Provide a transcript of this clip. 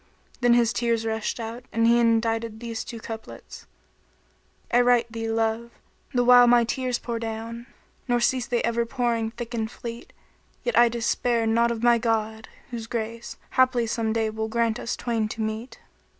*" Then his tears rushed out, and he indited these two couplets, "I write thee, love, the while my tears pour down; * Nor cease they ever pouring thick and fleet: Yet I despair not of my God, whose grace * Haply some day will grant us twain to meet."